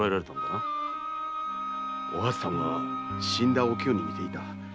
お初さんは死んだおきよに似ていた。